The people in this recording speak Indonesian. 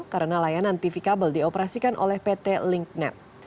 karena layanan tv kabel dioperasikan oleh pt linknet